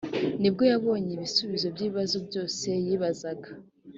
ni bwo yabonye ibisubizo by’ibibazo byose yibazaga